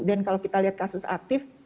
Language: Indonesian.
dan kalau kita lihat kasus aktif